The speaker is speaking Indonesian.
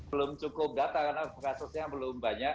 belum cukup data karena kasusnya belum banyak